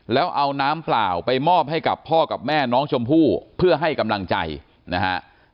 แล้วเอาน้ำเปล่าไปมอบให้กับพ่อกับแม่น้องชมพู่เพื่อให้กำลังใจนะฮะ